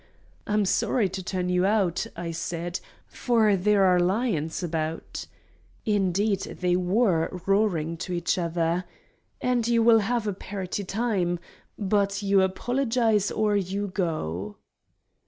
"I'm sorry to turn you out," I said, "for there are lions around"—indeed they were roaring to each other—"and you will have a parroty time. But you apologise, or you go!"